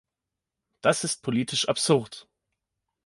Das ist politisch absurd!